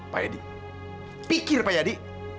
pak edi pikir pak yadi